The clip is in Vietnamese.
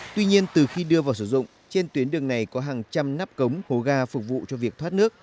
tuy nhiên từ khi đưa vào sử dụng trên tuyến đường này có hàng trăm nắp cống hố ga phục vụ cho việc thoát nước